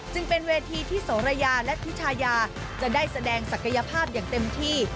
จึงเป็นเวทีที่โสระยาและพิชายาจะได้แสดงศักยภาพอย่างเต็มที่